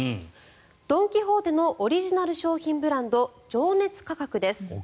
ドン・キホーテのオリジナル商品ブランド情熱価格です。